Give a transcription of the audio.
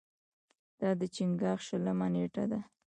دا د چنګاښ شلمه نېټه ده.